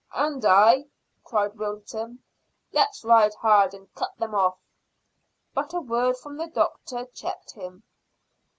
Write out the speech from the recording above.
"And I," cried Wilton. "Let's ride hard and cut them off." But a word from the doctor checked him.